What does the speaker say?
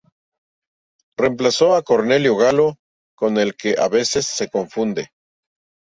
Reemplazó a Cornelio Galo, con el que a veces se confunde.